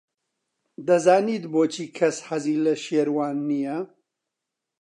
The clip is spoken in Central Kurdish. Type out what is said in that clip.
دەزانیت بۆچی کەس حەزی لە شێروان نییە؟